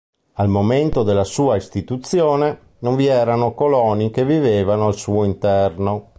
Al momento della sua istituzione, non vi erano coloni che vivevano al suo interno.